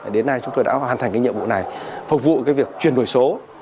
đến nay chúng tôi đã hoàn thành nhiệm vụ này phục vụ việc truyền đổi số